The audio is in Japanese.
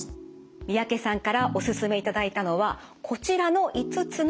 三宅さんからおすすめいただいたのはこちらの５つの対策です。